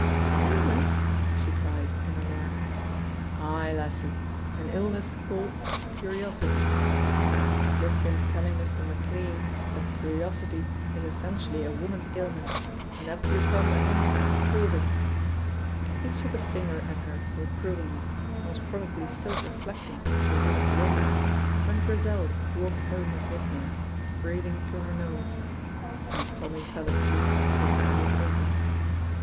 "An illness!" she cried, in alarm. "Ay, lassie, an illness called curiosity. I had just been telling Mr. McLean that curiosity is essentially a woman's ailment, and up you come ahint to prove it." He shook a finger at her reprovingly, and was probably still reflecting on woman's ways when Grizel walked home at midnight breathing through her nose, and Tommy fell asleep with his mouth open.